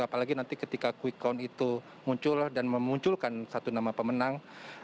apalagi nanti ketika quick count itu muncul dan memunculkan satu nama pemenang